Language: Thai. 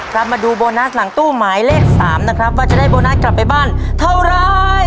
ครับมาดูโบนัสหลังตู้หมายเลข๓นะครับว่าจะได้โบนัสกลับไปบ้านเท่าไร